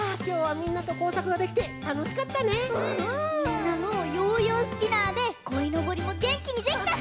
みんなのヨーヨースピナーでこいのぼりもげんきにできたし！